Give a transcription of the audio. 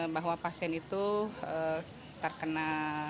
bahwa pasien itu terkena